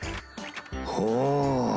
ほう。